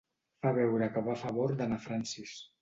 Fa veure que va a favor de na Francis.